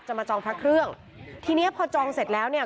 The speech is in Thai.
มาจองพระเครื่องทีเนี้ยพอจองเสร็จแล้วเนี่ย